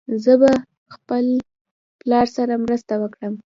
زه به خپل پلار سره مرسته وکړم.